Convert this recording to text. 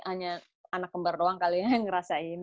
hanya anak kembar doang kali ya yang ngerasain